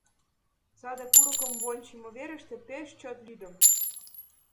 — Саде курыкым вончымо верыште пеш чот лӱдым.